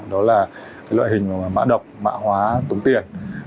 đó là loại hình mã độc mã hóa tống tiền